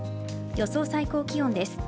予想最高気温です。